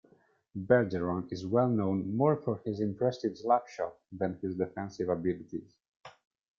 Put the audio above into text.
Bergeron is well known more for his impressive slapshot than his defensive abilities.